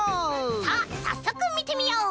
さあさっそくみてみよう！